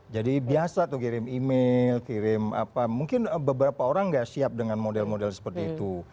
jadi biasa tuh kirim email kirim apa mungkin beberapa orang nggak siap dengan model model seperti itu